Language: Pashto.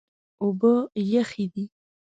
اوبه یخې دي.